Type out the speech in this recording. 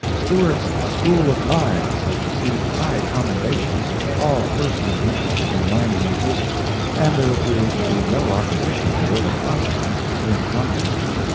Stewart's School of Mines has received high commendations from all persons interested in mining interests, and there appears to be no opposition to it of consequence in Congress.